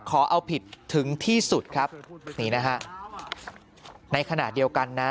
ขอเอาผิดถึงที่สุดครับนี่นะฮะในขณะเดียวกันนะ